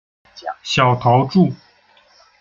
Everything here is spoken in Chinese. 小桃纻